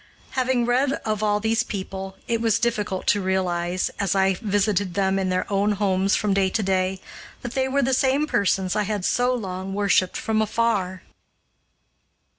Having read of all these people, it was difficult to realize, as I visited them in their own homes from day to day, that they were the same persons I had so long worshiped from afar!